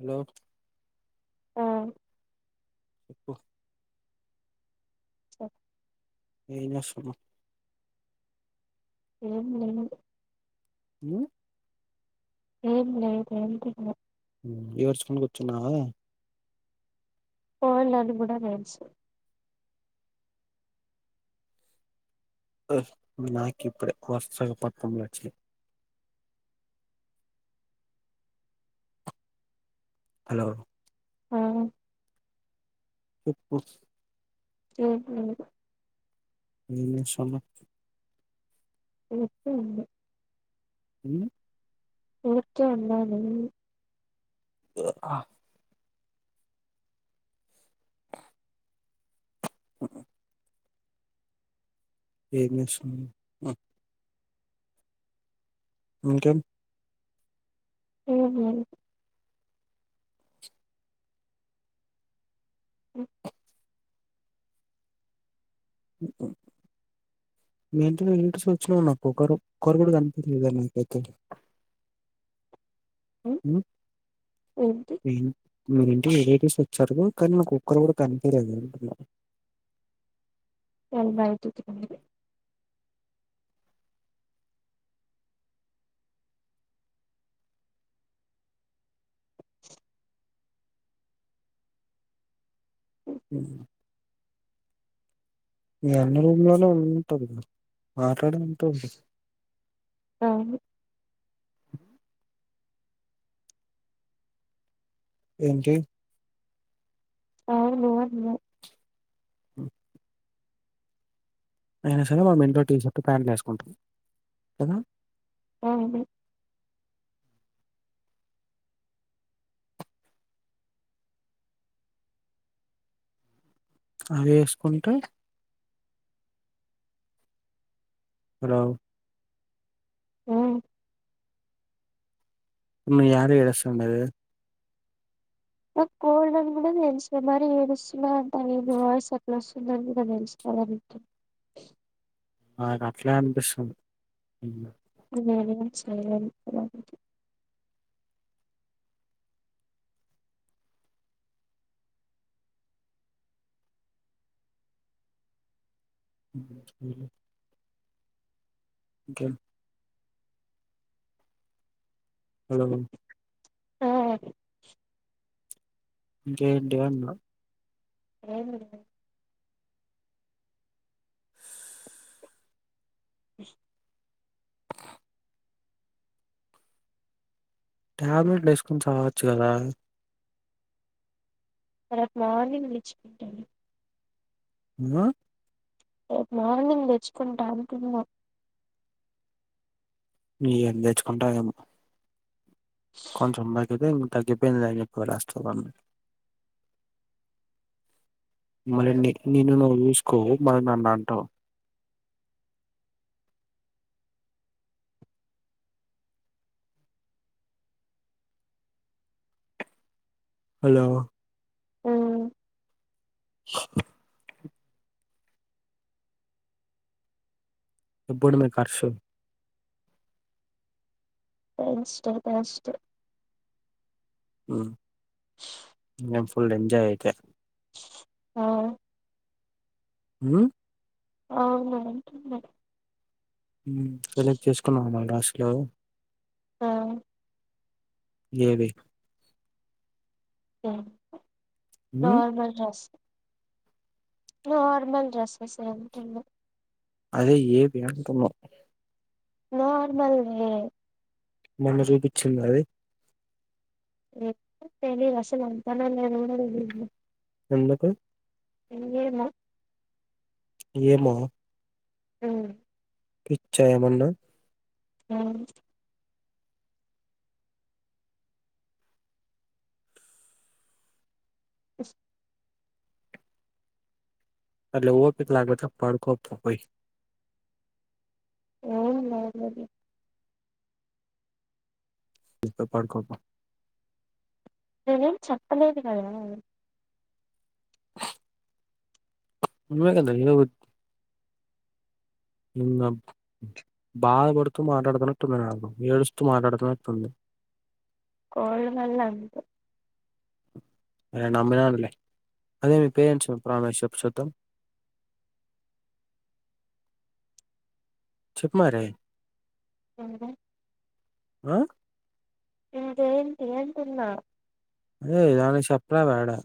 Hello ఆ హ్హ్ స ఏం చేస్తన్నావ్ ఏం లేదు మ్మ్ ఏం లేదు అంటున్నా ఏడ్చుకుని కూర్చున్నావా ఫోన్ దానికి కూడా తెలుసు ఆ నాకు ఇప్పుడే వరుసగా పట్నం వచ్చినై హలో ఆ చెప్పు ఉహు ఏం చేస్తన్నావ్ చెప్పు ఏందో ఉ ఊరికే ఉన్నాను ఆ ఏం చేస్తున్నావ్ ఇంకేం ఏం లేదు ఉ [inaudible] మీ ఇంటికి రిలేటివ్స్ వచ్చారు నాకు ఒక్కరూ ఒక్కరూ కూడా కనిపియలేదు మీకైతే ఉ ఏంటి ఏం మీ ఇంటికి రిలేటివ్స్ వచ్చారు కానీ నాకు ఒక్కడు కూడా అనిపియడం లేదు అంటున్న వాళ్లు బయటికి రారు అవునా మీ అన్న రూమ్ లోనే ఉంటది మాట్లాడే ఉంటాది అవును ఏంటి అవును అన్న అయినా సరే మనం ఇంట్లో టీషర్ట్ పాయింట్లు వేసుకుంటాం కదా అవును అది వేసుకుంటే రావు ఉ మీ యారు ఏడుస్తుండేది నా కోల్డ్ అని కూడా తెలుసుగా మరి ఏడుస్తున్న అంటావ్ ఏంది వాయస్ అట్లా వస్తుందని కూడా తెలుసు పర్వాలేదు నాకు అట్లే అనిపిస్తుంది ఆ సరేలే బాయ్ ఇంకేమి హలో ఆ ఇంకేంటి అంటున్న ఏం లేదు టాబ్లెట్లు ఏసుకొని చావచ్చు గదా రేపు మార్నింగ్ తెచ్చుకుంటాను హు ఏ నార్మల్ తెచ్చుకుంటా అంటున్న నీయని తెచ్చుకుంటాదేమో కొంచెం భాగితే తగ్గిపోయింది అన్ని చెప్ రెస్ట్ ఇవన మరి నిన్ను నువ్వు చూసుకోవు మరి నన్ను అంటావ్ హలో ఎప్పుడు మే కర్సు [unintelligible] హోం ఏం ఫుల్ ఎంజాయ్ అయితే ఆ మ్మ్ అవునా అంటున్న సెలెక్ట్ చేసుకున్నాం మరి డ్రెస్ ఆ ఏవి నార్మల్ డ్రెస్ నార్మల్ డ్రెస్సెస్ అంటున్న అదే ఏవి అంటున్న నార్మల్ దే మొన్న చూపించింద అది ఏమో తెలీదు అస్సలు వెళ్తానో లేదో కూడా తెలీదు ఎందుకు ఏమో ఏమో ఉమ్ పిచ్చా ఏమన్నా మ్మ్ అస్ అట్లా ఓపిక లేకపోతే పడుకో పోయి ఏం లేదు లే ఓకే పడుకో పో ఏం చెప్పలేదు కదా నువ్వు ఏ కదా బాధపడుతూ మాట్లాడుతున్నట్టుంది నాకు ఏడుస్తూ మాట్లాడుతున్నట్టుంది కోల్డ్ వాళ్ళ అంతే అదే నమ్మిననులే అదే మీ పేరెంట్స్ మీద ప్రామిస్ చేసి చెప్పు చూదాం [inaudible] చెప్పు మరి ఆ ఆ ఇంకేంటి అంటున్నా అదే దాని చెప్పలే వేడా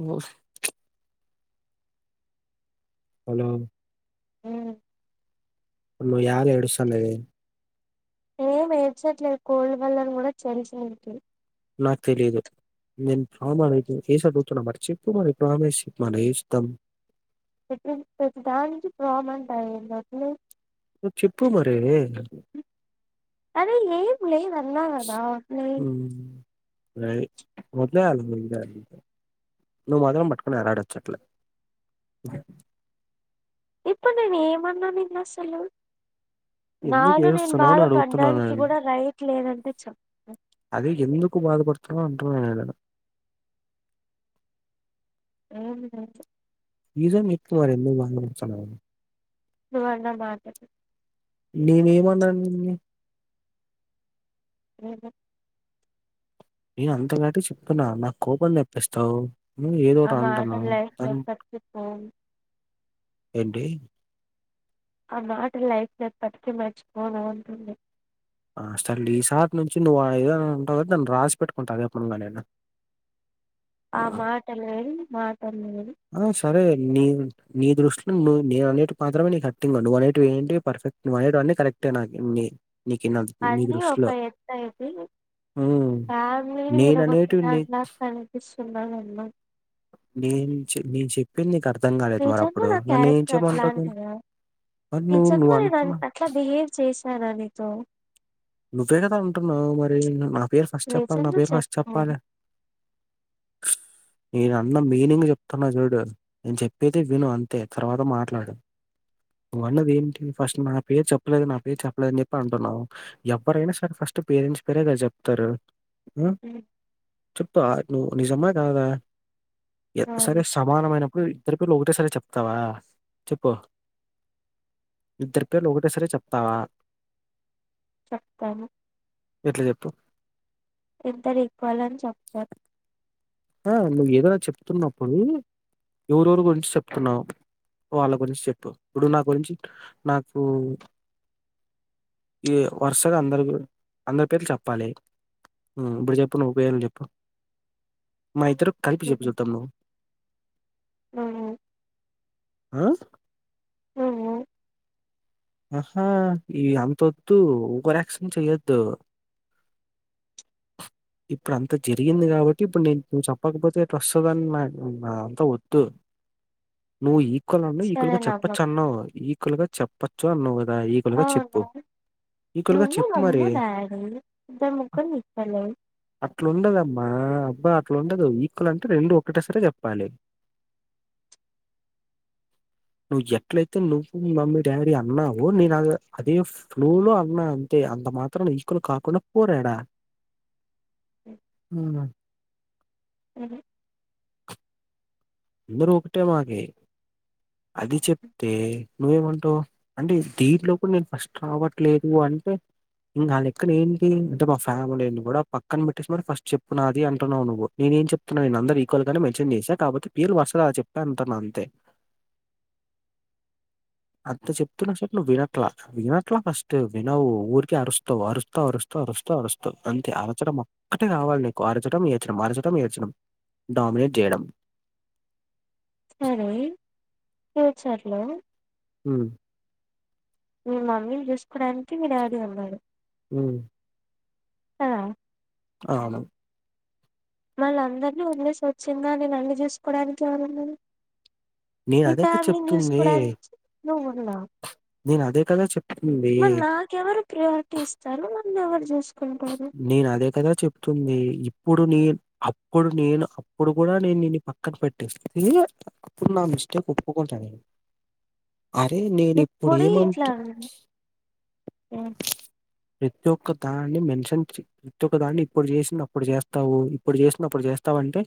ఓ హలో ఉమ్ నువ్వు యన ఏడుస్తానవి నేను ఏం ఏచ్చటలేదు కోల్డ్ వల్ల అన్ని తెలుసు నీకె నాకు తెలీదు నేను ప్రామాయితే వస అడుగుతున్నా మరి చెప్పు మరి ప్రామిస్ మన వస్తాం నువ్వు ప్రతిదానికి ప్రొమ్ అంటవెంటి అస్సలు నువ్ చెప్పు మరి అదే ఏ ప లే అన్నాా కదా లే మదలేల నువ్వు మాత్రరం పట్టుకుని ఎలాడొచ్చట్లే ఇప్పుడు నేను ఏమన్నాను అసలు ఎందుకు నాలో నేను ఏడుస్తున్నావు అని అడుగుతున్నాను బాధపడ్డానికి నేను కూడా రైట్ లేదంటే చెప్ను అదది ఎందుకు బాధపడుతునంట ఏదద ఆ ఇద మీకువరందు వా సవణ మాట నేను ఏమన్నాను అ నేను అంత టి చెప్పిన నాకు కోపన్ని నప్పిస్తావు ఆ ఏదోటి మాట అంటాను లైఫ్లో ఎప్పటికీ పోను ఏంటి ఆ మాట లైఫ్ ఎప్పటికీ మర్చిపోన ఉంటుంది ఆస ఈసారి నుంచి నువ్వు ఏదైనా ఉంటావు కదా దాన్ని రాసి పెట్టుకుంటా అదేపునుగా నేనా ఆ మాటల్ వె మాట అల్ ఆ సరే నీ నీ దృష్టిలో నువ్ నేను అనేవి మాత్రమే నీ కరెక్టి నువ్వు అనేటు ఏంటి పర్ఫెక్ట్ అన్నీ కరెక్ట్ ట్టే నా న అన్నీ ఒక ఎంత ఇది ఉమ్. రామని విడ నేను అనేటివి కొట్టదా నీ అన్నా కనిపి సున్నాను అమ్న్నా నేను నేను చెప్పింది నీకు అర్థం కాలేదు మరి నిజంగా అప్పుడు నన్ను ఏం చెయమంటారు క ఈ చన్నవు న నని అట్లా బిహేవ్ చేశాను నీతో నువ్వే కదా అంటున్నావు మరి నా పేరు ఫస్ట్ చెప్పాలి నా నిజంగా పేరు ఫస్ట్ చెప్పు చెప్పాలి నేను అన్న మీనింగ్ చెప్తున్నా చూడు నేను చెప్పేది విను అంతే తర్వాత మాట్లాడు అన్నది ఏంటి ఫస్ట్ నా పేరు చెప్పలేదు నా పేరు చెప్పలేదుని చెప్పి అంటున్నాము ఎవరైనా సర ఫస్ట్ పేరెంట్స్ పేరే కద హ్మ్ చెప్తారుప్ నువ్వు నిజమా కాదా ఎంత సరే అవును సమానమైనప్పుడు ఇద్దరు పిలలు ఒకేసారి చెప్తావా చెప్పు ఇద్దరికేళ్ళ ఒకటే సరే చెప్తావా చెప్తాను ఎట్లా చెప్ ఎంత ర ఇక్వాలన్ చెప్పతారు ఆ నువ్వు ఏదైనా చెప్తున్నప్పుడు ఎవరెవరు గురించి చెప్తున్నావు వాళ్ళ గురించి చెప్పు ఇప్పుడు నా గురించి నాకు ఈ వరుసగా అ అందరి పేర్లు చెప్పాలి ఇప్పుడు చెప్పు నకేం చెప్ప మా ఇతేరు కలిపి చెపు నువ్వు చతాం ను నువ్వు హ ఆ ఆహా ఈ అంత వద్దు ఒక యాక్క్షన్ చెయ్యొద్దు ఇప్పుడు అంత జరిగింది కాబట్టి ఇప్పుడు నేను చెప్పకపోతే ఇ వస్తుందని నా అంతా వద్దు నువ్వు ఈక్వల్ అన్నావు ఈక్వల్ సరే గా చెప్పచ్చు నవ్వకు అన్నావ్ ఈక్వల్ గా చెప్పచ్చు అన్నావు ఈక్వల్ గా చెప్పు అవును ఈకువల్గా నువ్వు చెప్పు మరి మమ్ము డాడీ ఇద్దరు ముగ్గురు ఈక్వలే అట్లుండదమ్మా అబ్బా అట్లా ఉండదు ఈక్వల్ అంటే రెండు ఒకటే సారి చెప్పాలి నువ్వు ఎట్లయితే నువ్వు మి మమ్మీ డాడీ అన్నావో నేను అ అదే ఫ్లో లో అన్నా తే అంత మాత్ర ఈక్వల్ కాకుండా పోరు ఆడా మ్ సరే అందరు ఒకటే మాకి అది చెప్తే నువ్వేమంటావు అంటే దీంట్లో కూడా నేను ఫస్ట్ రావట్లేదు అని అంటే ఇంకా ఆ లెక్కన ఏంటి అంటే మా ఫ్యామిలీని కూడా పక్కన పెట్టేసి మరి ఫస్ట్ చెప్పు నాది అంటున్నావు నువ్వు నే ఏం చెప్తున్నా నేను అందరు ఈక్వల్ గా మెన్షన్ చేసా కాపోతే పేర్లు వరుసగా అల చెప్పా అంటున్న అంతే అంత చెప్తున్నా సరే నువ్వు వినట్లా వినట్లా ఫస్ట్ వినవు ఊరికే అరుస్తావు అరుస్తావు అరుస్ స్తవు అరుస్తావు అరుస్తావ్ అంతే అరచటం ఒక్కటే కావాలి నీకు అరచటం ఏడ్చడం అరచటం ఏడ్చడం డామినేట్ చేయడం ఫ్యూచర్ లో మ్ మీ మమ్మీని చూసుకోడానికి మీ డాడీ ఉన్నాడు మ్ ఆ అవును మళ్ల అందరినీ వదిలేసి వచ్చిందానికి నన్ను చూసుకోవడానికి ఎవరు ఉన్నారు మీ నేనదే కదా ఫ్యామిలీని చెప్తుంది. చూసుకోవడానికి నువ్వు ఉన్నావ్ నేనదే కదా చెప్తుంది. మరి నాకెవరు ప్రియారిటీ ఇస్తారు నన్ను ఎవరు చూసు నేను అదే కదా చెప్తుంది ఇప్పు డు నేను అప్పుడు నేను అప్పుడు కూడా నేను నిన్ను పక్కన పెట్టేస్తే అప్పుడు నా మిస్టేక్ కు ఒప్పుకుంట నేను అరే నేను ఇప్పుడు ఇప్పుడే ఇట్లా ఏమంటూ అన్నావు హ్మ్ ప్రతి ఒక్క దాన్ ని మెన్షన్ ప్రతి ఒక్క దాన్ని ఇప్పుడు చేసిన అప్పుడు చేస్తావు ఇప్పుడు చేసినప్పుడు చేస్తావు అంటే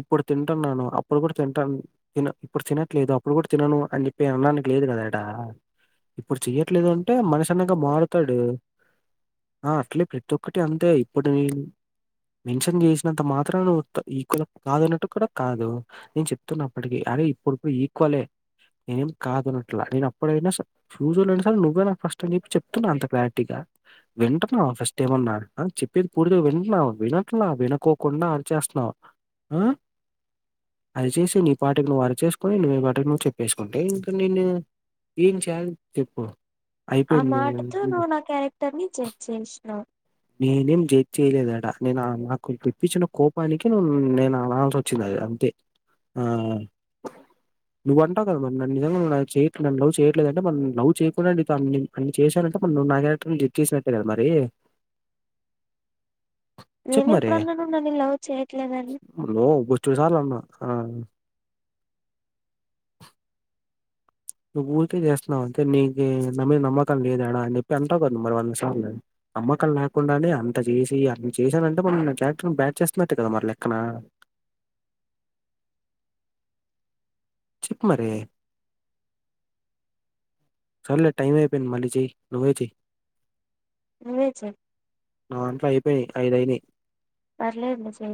ఇ ప్పుడు తింటున్నాను అప్పుడు కూడా తింటాను తిన ఇప్పుడు తినట్లేదు అప్పుడు కూడా తినను అని చెప్పే అన్డానికి లేదు కదా డా ఇప్పుడు చెయ్యట్లేదు అంటే మనిషి అన్నాక మారుతాడు ఆ అట్లే ప్రతి ఒక్కటి అంతే ఇప్పుడు నేన్ మెన్షన్ చేసినంత మాత్రనా నువ్వు ఈక్వల్ కాదున్నట్టు కూడా కాదు నేను చెప్తున్నప్పటికి అ రే ఇప్పుడిప్పుడు ఈక్వలే నేనేం కాదు అన్నట్లా నేను అప్పుడైనా స ఫ్యూచర్ లో అయినా సరే నువ్వే నా కు ఫస్ట్ అని చెప్పి చెప్తున్నా అంత క్లారిటీగా వింట న్నావ ఫస్ట్ ఏమన్నా ఆ చెప్పేది పూర్తిగా వింటున్నావ వినట్లా వినకోకుండా అరిచేస్తున్నావు ఆ అరిచేసి నీ పాటికి నువ్వు అరిచేసుకుని నువ్వు నీ పాటికి నువ్వు చెప్పేసుకుంటే ఇంకా నేను ఏం చేయాలి చెప్పు ఆ అయిపోయింది. మాటతో నేను- నువ్వు నా క్యారెక్టర్ ని జెడ్జ్ చేసినవ్ నేనేం జెడ్జ్ చేయలేదు ఆడ నేను నాకు తెప్పించిన కోపానికి నేను అనాల్సి వచ్చింది అది అంతే ఆ నువ్వు అంటావు గదా మరి నన్ను నిజంగా నువ్వు చేయట్లా నన్ను లవ్ చేయట్లేదంటే మరి లవ్ చేయకుండానే నితో అన్ని అన్ని చేశానం టే మరి నువ్వు నా క్యారెక్టర్ ని జడ్జ్ చేసినట్టే కదా మరి చెప్పు మరి నేనెప్పుడన్నా నువ్వు నన్ను లవ్ చేయట్లేదని నో బో చ్చడు సార్లు అన్నా ఆ నువ్వు ఊరికే చేస్తున్నావు అంటే నీకు నా మీద నమ్మకం లేదాడా అని చెప్పి అంటావు కద మరి వంద సార్లు నమ్మకం లేకుండానే అంత చేసి అన్ని చేశానంటే మల్ల నా క్యారెక్టర్ బ్యాడ్ చేస్తున్నట్టే కదా మరి లెక్కన చెప్ మరీ సర్లే టైమ్ అయిపోయింది మళ్ళీ చేయ్ నువ్వేచేయ్ నువ్వే చెప్ దాంట్లో ఐదు అయినాయి పర్లే